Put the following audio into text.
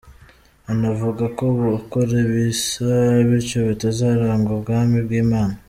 Hanavuga ko abakora ibisa bityo batazaragwa ubwami bw’Imana.